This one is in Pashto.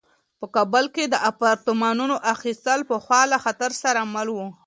په کابل کې د اپارتمانونو اخیستل پخوا له خطر سره مل وو.